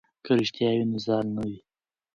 که رښتیا وي نو زال نه وي.